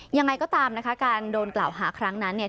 ยังไงก็ตามนะคะการโดนกล่าวหาครั้งนั้นเนี่ย